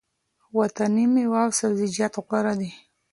وطني مېوه او سبزیجات غوره دي.